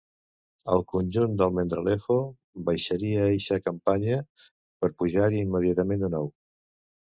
El conjunt d'Almendralejo baixaria eixa campanya, per pujar-hi immediatament de nou.